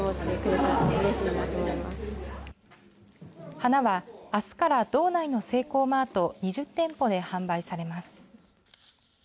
花は、あすから道内のセイコーマート２０店舗で販売されます。